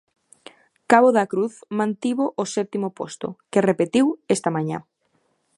Cabo da Cruz mantivo o sétimo posto, que repetiu esta mañá.